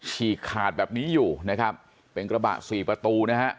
ฉีกขาดแบบนี้อยู่นะครับเป็นกระบะสี่ประตูนะฮะ